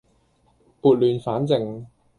撥亂反正